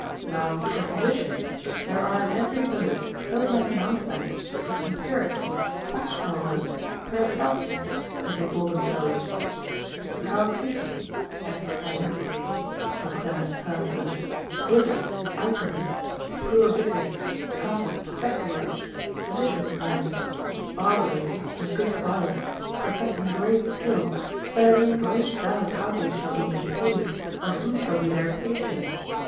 Now for physicians, there are in every village so many mountebanks, empirics, quacksalvers, Paracelsians, as they call themselves, Caucifici et sanicidae so Clenard terms them, wizards, alchemists, poor vicars, cast apothecaries, physicians' men, barbers, and good wives, professing great skill, that I make great doubt how they shall be maintained, or who shall be their patients.